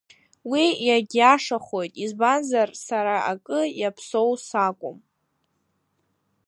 Уи иагьиашахоит, избанзар, сара акы иаԥсоу сакәым.